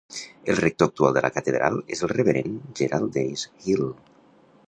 El rector actual de la catedral és el reverend Gerald Dennis Gill.